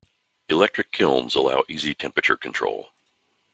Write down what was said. Electric kilns allow easy temperature control.